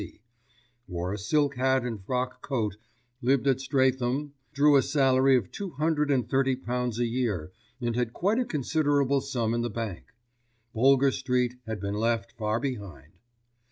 C., wore a silk hat and frock coat, lived at Streatham, drew a salary of two hundred and thirty pounds a year and had quite a considerable sum in the bank. Boulger Street had been left far behind.